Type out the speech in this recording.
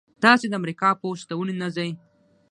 تاسې د امریکا پوځ ته ولې نه ځئ؟